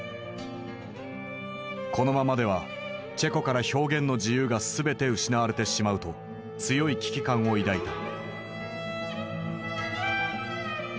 このままではチェコから表現の自由が全て失われてしまうと強い危機感を抱いた。